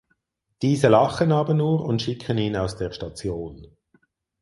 Diese lachen aber nur und schicken ihn aus der Station.